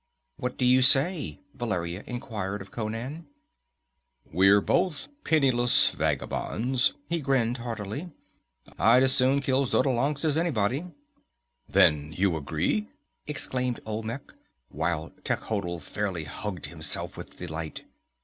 "What do you say?" Valeria inquired of Conan. "We're both penniless vagabonds," he grinned hardily. "I'd as soon kill Xotalancas as anybody." "Then you agree?" exclaimed Olmec, while Techotl fairly hugged himself with delight.